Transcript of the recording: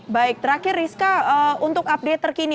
baik terakhir rizka untuk update terkini